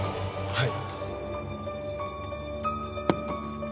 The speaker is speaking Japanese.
はい。